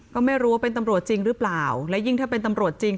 ก็ไม่รู้ว่าเป็นตำรวจจริงหรือเปล่าและยิ่งถ้าเป็นตำรวจจริง